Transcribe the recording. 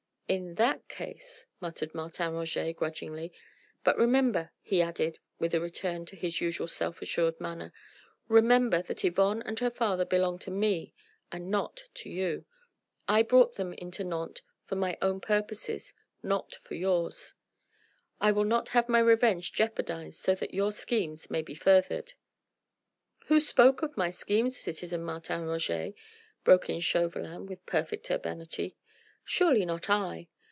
"In that case ..." muttered Martin Roget grudgingly. "But remember," he added with a return to his usual self assured manner, "remember that Yvonne and her father belong to me and not to you. I brought them into Nantes for mine own purposes not for yours. I will not have my revenge jeopardised so that your schemes may be furthered." "Who spoke of my schemes, citizen Martin Roget?" broke in Chauvelin with perfect urbanity. "Surely not I?